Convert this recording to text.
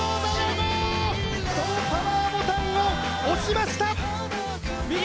そのパワーボタンを押しました！